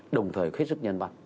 đồng thời khuyết sức nhân văn